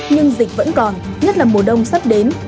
nhưng dịch vẫn còn nhất là mùa đông sắp đến